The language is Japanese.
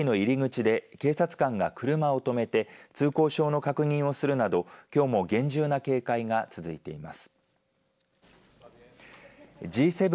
会場周辺では規制区域の入り口で警察官が車を止めて通行証の確認をするなどきょうも厳重な警戒が続いています。